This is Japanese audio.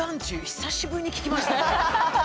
久しぶりに聞きましたね。